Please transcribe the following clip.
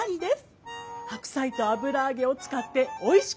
白菜と油揚げを使っておいしく作ります。